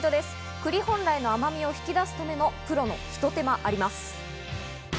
栗本来の甘みを引き出すためのプロのひと手間あります。